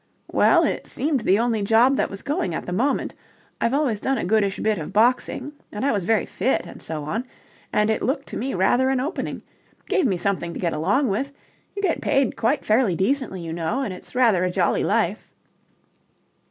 "Well, it seemed the only job that was going at the moment. I've always done a goodish bit of boxing and I was very fit and so on, and it looked to me rather an opening. Gave me something to get along with. You get paid quite fairly decently, you know, and it's rather a jolly life..."